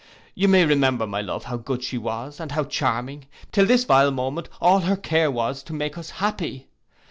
You may remember, my love, how good she was, and how charming; till this vile moment all her care was to make us happy.